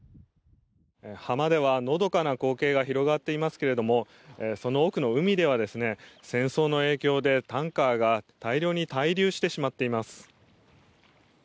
浜ではのどかな光景が広がっていますけどもその奥の海では戦争の影響でタンカーが大量に滞留してしまっています。